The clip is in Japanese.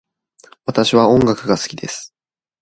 私は音楽が好きです。